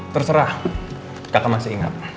terserah kakak masih ingat